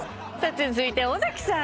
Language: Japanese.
続いて尾崎さん